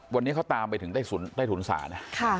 วันนี้เขาตามไปถึงแต่ทุนศาสน์